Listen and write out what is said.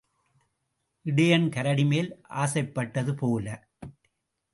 இடையன் கரடிமேல் ஆசைப்பட்டது போல.